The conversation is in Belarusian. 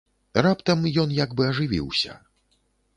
Раптам ён як бы ажывіўся.